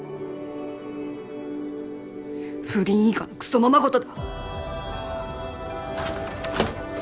不倫以下のクソままごとだ！